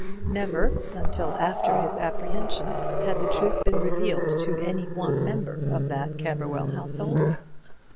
Never, until after his apprehension, had the truth been revealed to any one member of that Camberwell household.